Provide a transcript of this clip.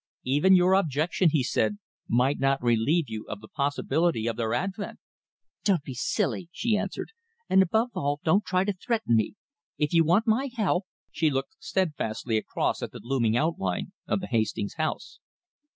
"Even your objection," he said, "might not relieve you of the possibility of their advent." "Don't be silly," she answered, "and, above all, don't try to threaten me. If you want my help " She looked steadfastly across at the looming outline of the Hastings' house.